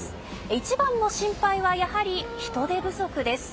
一番の心配はやはり人手不足です。